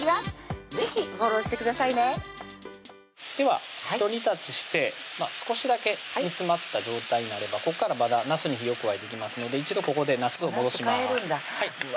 是非フォローしてくださいねではひと煮立ちして少しだけ煮詰まった状態になればここからまだなすに火を加えていきますので一度ここでなすを戻しますなす帰るんだうわ